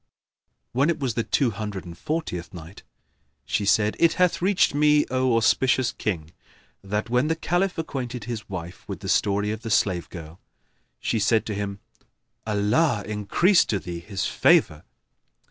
When it was the Two Hundred and Fortieth Night, She said, It hath reached me, O auspicious King, that when the Caliph acquainted his wife with the story of the slave girl, she said to him, "Allah increase to thee His favour!"